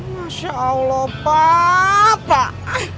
masya allah pak